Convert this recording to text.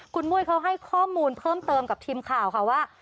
คุณมุ้ยเขาให้ข้อมูลเพิ่มเติมกับทีมข่าวค่ะว่า